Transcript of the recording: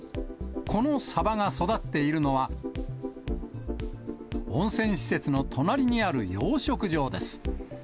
このサバが育っているのは、温泉施設の隣にある養殖場です。